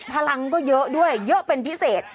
พลังก็เยอะด้วยเยอะเป็นพิเศษ